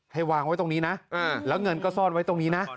วางไว้ตรงนี้นะแล้วเงินก็ซ่อนไว้ตรงนี้นะ